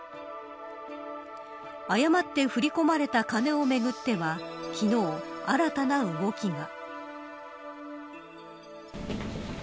誤って振り込まれた金をめぐっては昨日、新たな動きが。